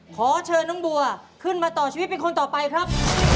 ขอเชิญน้องบัวขึ้นมาต่อชีวิตเป็นคนต่อไปครับ